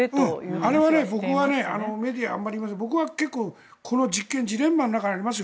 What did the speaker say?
あれは僕はメディア、あまり言いませんが僕はジレンマの中にいますよ。